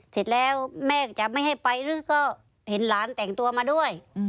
เสร็จแล้วแม่ก็จะไม่ให้ไปหรือก็เห็นหลานแต่งตัวมาด้วย